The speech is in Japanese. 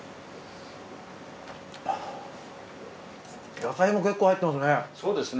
野菜も結構入ってますね。